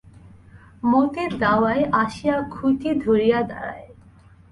মতি দাওয়ায় আসিয়া খুঁটি ধরিয়া দাড়ায়।